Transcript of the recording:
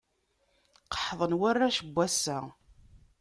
Qeḥḍen warrac n wass-a.